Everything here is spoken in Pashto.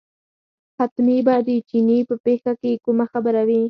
حتمي به د چیني په پېښه کې کومه خبره وي.